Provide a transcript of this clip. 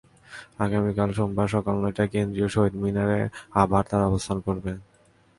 আগামীকাল সোমবার সকাল নয়টায় কেন্দ্রীয় শহীদ মিনারে আবার তাঁরা অবস্থান করবেন।